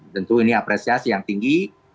tentu ini apresiasi yang tinggi